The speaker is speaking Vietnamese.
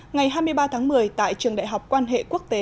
ngày hai mươi ba tháng một mươi tại trường đại học quan hệ quốc tế